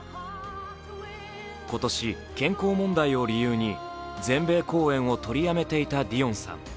今年、健康問題を理由に全米公演を取りやめていたディオンさん。